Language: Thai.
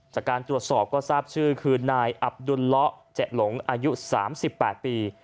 จากการตรวจสอบก็ทราบชื่อคือนายอับดุลเลาะเจ๊หลงอายุ๓๘ปี